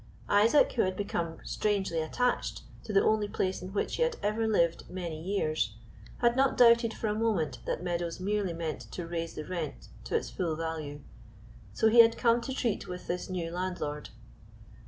Isaac, who had become strangely attached to the only place in which he had ever lived many years, had not doubted for a moment that Meadows merely meant to raise the rent to its full value, so he had come to treat with his new landlord.